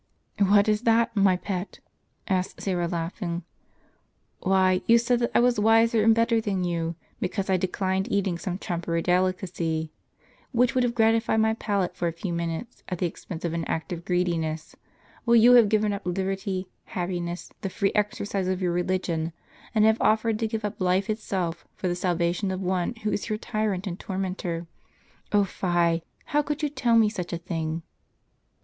"What is that, my pet? " asked Syra, laughing. "Why, you said that I was wiser and better than you, because I declined eating some trumpery delicacy, which would have gratified my palate for a few minutes, at the expense of an act of greediness ; while you have given up lib erty, happiness, the free exercise of your religion, and have offered to give up life itself, for the salvation of one who is your tyrant and tormentor. Oh, fie ! how could you tell me such a thing